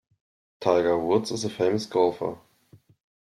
Tiger Woods is a famous golfer.